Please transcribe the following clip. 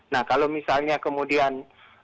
nah kalau misalnya kemudian